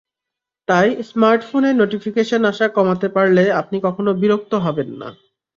তাই স্মার্টফোনে নোটিফিকেশন আসা কমাতে পারলে আপনি কখনো বিরক্ত হবেন না।